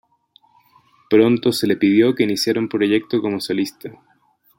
Pronto se le pidió que iniciara un proyecto como solista.